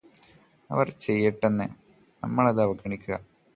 അവർ ചെയ്യട്ടെന്നേ. നമ്മളത് അവഗണിക്കുക.